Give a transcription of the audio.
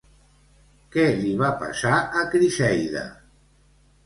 Què li va passar a Criseida?